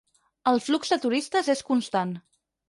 El flux de turistes és constant.